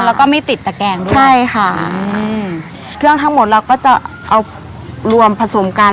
แล้วก็ไม่ติดตะแกงด้วยใช่ค่ะอืมเครื่องทั้งหมดเราก็จะเอารวมผสมกัน